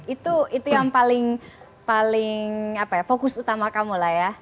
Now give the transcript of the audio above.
itu yang paling fokus utama kamu lah ya